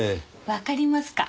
わかりますか？